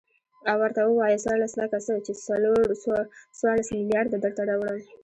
او ورته ووايه څورلس لکه څه ،چې څورلس ملېارده درته راوړم.